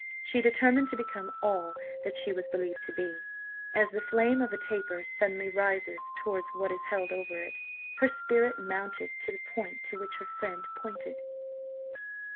She determined to become all that she was believed to be; as the flame of a taper suddenly rises towards what is held over it, her spirit mounted to the point to which her friend pointed.